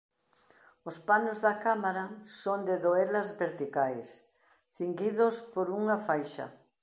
Os panos da cámara son de doelas verticais cinguidos por unha faixa.